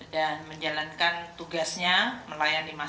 dan menjalankan tugasnya melayani masyarakat